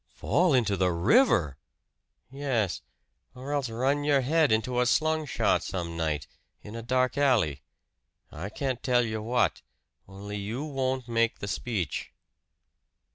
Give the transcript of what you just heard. "Fall into the river!" "Yes; or else run your head into a slungshot some night, in a dark alley. I can't tell you what only you won't make the speech."